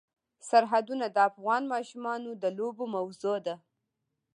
سرحدونه د افغان ماشومانو د لوبو موضوع ده.